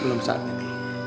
belum saatnya nek